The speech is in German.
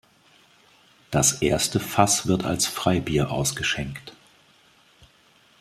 Das erste Fass wird als Freibier ausgeschenkt.